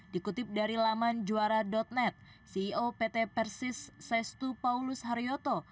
dikutip dari laman juara net ceo pt persis sestu paulus haryoto